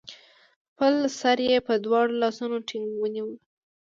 خپل سر يې په دواړو لاسونو ټينګ ونيوه